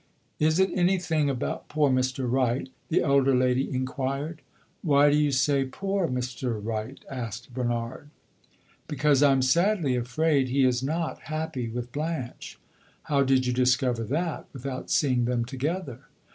"Is it anything about poor Mr. Wright?" the elder lady inquired. "Why do you say 'poor' Mr. Wright?" asked Bernard. "Because I am sadly afraid he is not happy with Blanche." "How did you discover that without seeing them together?"